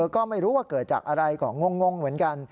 ก็ไม่รู้ว่าเกิดจากอะไรก็งงเหมือนกัน